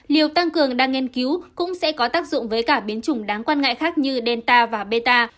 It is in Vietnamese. liều tăng cường đang nghiên cứu cũng sẽ có tác dụng với cả biến chủng đáng quan ngại khác như delta và meta